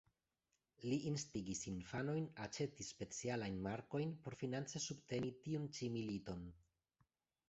Li instigis infanojn aĉeti specialajn markojn por finance subteni tiun ĉi militon.